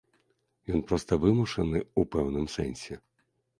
Ён проста вымушаны ў пэўным сэнсе.